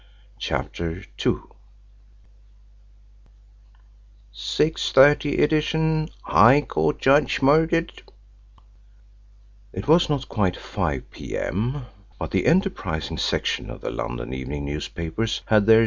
CHAPTER II "Six thirty edition: High Court Judge murdered!" It was not quite 5 p.m., but the enterprising section of the London evening newspapers had their 6.